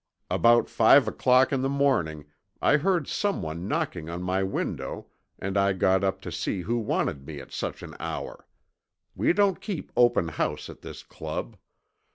About five o'clock in the morning I heard someone knocking on my window and I got up to see who wanted me at such an hour. We don't keep open house at this Club.